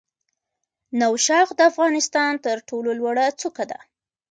نوشاخ د افغانستان تر ټولو لوړه څوکه ده